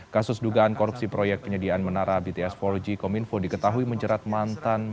kasus dugaan korupsi proyek penyediaan menara bts empat g kominfo diketahui menjerat mantan